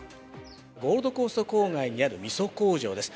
ゴールドコースト郊外にあるみそ工場です。